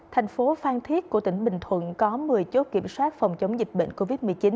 thành phố phan thiết của tỉnh bình thuận có một mươi chốt kiểm soát phòng chống dịch bệnh covid một mươi chín